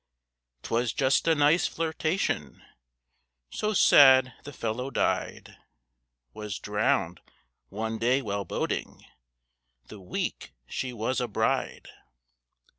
'Twas just a nice flirtation. 'So sad the fellow died. Was drowned one day while boating, The week she was a bride.'